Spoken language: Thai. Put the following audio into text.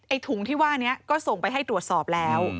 ถุงที่ว่านี้ก็ส่งไปให้ตรวจสอบแล้ว